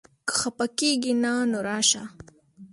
که خپه کېږې نه؛ نو راشه!